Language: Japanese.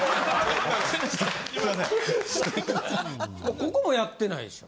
ここもやってないでしょ。